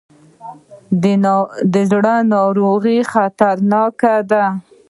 د زړه ناروغۍ خطرناکې دي.